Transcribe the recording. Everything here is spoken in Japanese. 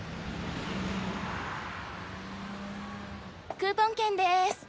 クーポン券です。